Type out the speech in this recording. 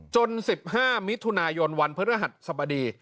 ๑๕มิถุนายนวันพฤหัสสบดี